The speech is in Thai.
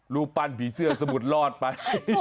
รูปปั้นผีเสื้อสมุดรอดไป